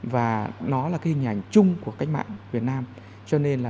về bài giáng nguyễn tre